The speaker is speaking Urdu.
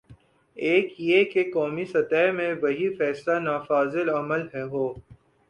ایک یہ کہ قومی سطح میں وہی فیصلے نافذالعمل ہوں۔